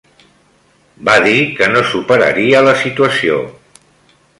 Va dir que no superaria la situació.